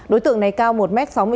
đối tượng này cao một m sáu mươi chín